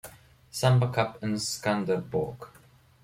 Samba Cup in Skanderborg.